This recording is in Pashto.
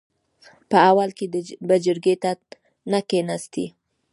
په اول کې به جرګې ته نه کېناستې .